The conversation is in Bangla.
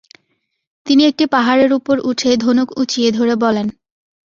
তিনি একটি পাহাড়ের উপর উঠে ধনুক উচিয়ে ধরে বলেন: